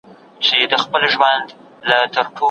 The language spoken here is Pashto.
رښتنی سياست د خلګو خدمت دی.